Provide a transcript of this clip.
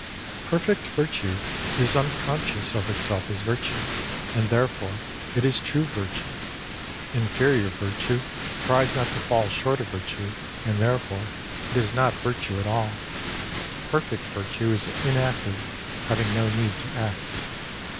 Perfect Virtue is unconscious of itself as virtue, and therefore it is true virtue. Inferior Virtue tries not to fall short of virtue, and therefore it is not virtue at all. Perfect Virtue is inactive, having no need to act.